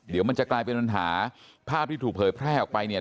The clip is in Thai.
เดี๋ยวมันจะกลายเป็นปัญหาภาพที่ถูกเผยแพร่ออกไปเนี่ย